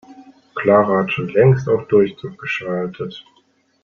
Clara hat schon längst auf Durchzug geschaltet.